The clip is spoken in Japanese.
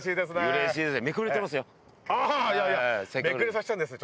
うれしいですね。